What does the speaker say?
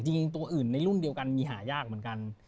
จริงตัวอื่นในรุ่นเดียวกันมีหายากเหมือนกัน